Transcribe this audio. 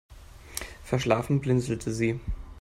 Verschlafen blinzelte sie.